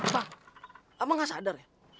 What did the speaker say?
bang abang gak sadar ya